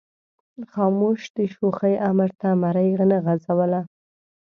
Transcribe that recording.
خاموش د شوخۍ امر ته مرۍ نه غځوله.